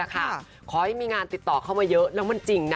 ขอให้มีงานติดต่อเข้ามาเยอะแล้วมันจริงนะ